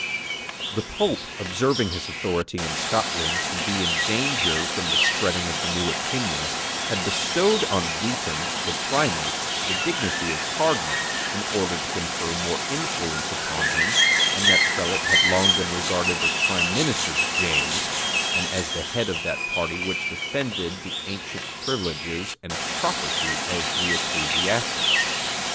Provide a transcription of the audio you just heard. The pope, observing his authority in Scotland to be in danger from the spreading of the new opinions, had bestowed on Beaton, the primate, the dignity of cardinal, in order to confer more influence upon him; and that prelate had long been regarded as prime minister to James, and as the head of that party which defended the ancient privileges and property of the ecclesiastics.